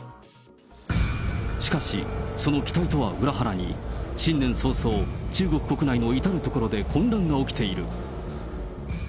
しかし、その期待とは裏腹に、新年早々、中国国内の至る所で混乱が起きている。